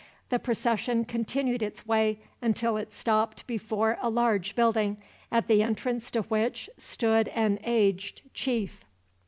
The procession continued its way until it stopped before a large building, at the entrance to which stood an aged chief.